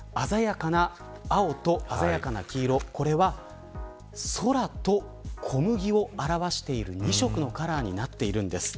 鮮やかな青と鮮やかな黄色これは空と小麦を表している２色のカラーになっているんです。